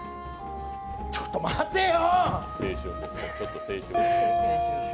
ちょっと待てよ。